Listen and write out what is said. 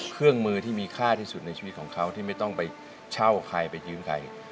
เครื่องมือที่มีค่าที่สุดในชีวิตของเขาที่ไม่ต้องไปเช่าใครไปยืมใคร